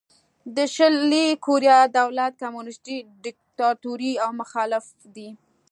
د شلي کوریا دولت کمونیستي دیکتاتوري او مخالف دی.